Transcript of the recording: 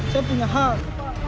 saya punya hak